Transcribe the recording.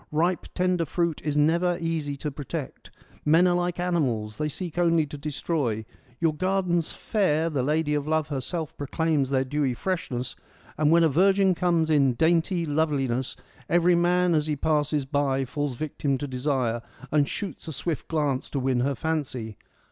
Ripe tender fruit is never easy to protect ; men are like animals, they seek only to destroy. Your gardens fair, the lady of love herself proclaims their dewy freshness, and when a virgin comes in dainty .loveliness every man as he passes by falls victim to desire, and shoots a swift glance to win her fancy.